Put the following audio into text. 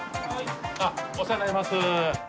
お世話になります。